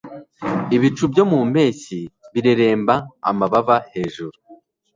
Ibicu byo mu mpeshyi bireremba amababa hejuru